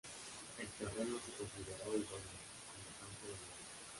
El terreno se consideró idóneo como campo de vuelo.